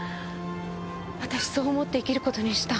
私そう思って生きる事にした。